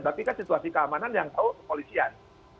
tapi kan situasi keamanan yang tahu kepolisian